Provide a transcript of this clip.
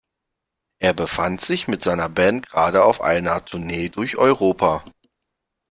Er befand sich mit seiner Band gerade auf einer Tournee durch Europa.